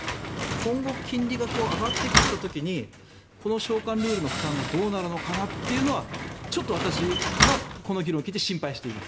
今後金利が上がっていった時にこの償還ルールがどうなるのかなというのはちょっと私は心配しています。